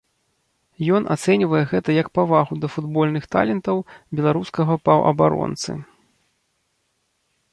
Ён ацэньвае гэта як павагу да футбольных талентаў беларускага паўабаронцы.